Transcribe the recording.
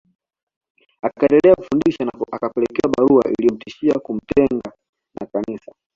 Akaendelea kufundisha na akapelekewa barua iliyomtishia kumtenga na Kanisa